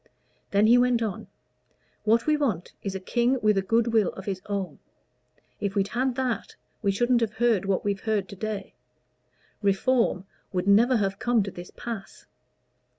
Then he went on "What we want is a king with a good will of his own. If we'd had that, we shouldn't have heard what we've heard to day; Reform would never have come to this pass.